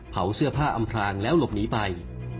เผาเสื้อผ้าอำพลางแล้วหลบหนีไป